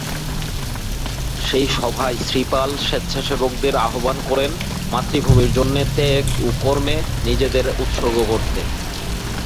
সেই সভায় শ্রী পাল স্বেচ্ছাসেবকদের আহবান করেন মাতৃভূমির জন্যে ত্যাগ ও কর্মে নিজেদের উৎসর্গ করতে।